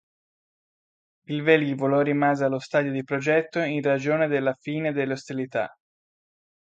Il velivolo rimase allo stadio di progetto in ragione della fine delle ostilità.